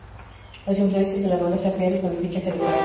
Las influencias de la banda se ampliaron con el fichaje de Carlos.